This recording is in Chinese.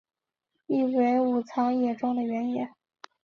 意为武藏野中的原野。